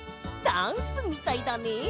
ダンスみたいだね！